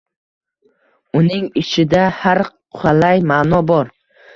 Uning ishida, har qalay, ma’no bor.